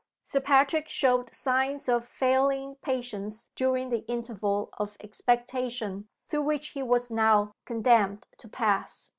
Sir Patrick showed signs of failing patience during the interval of expectation through which he was now condemned to pass.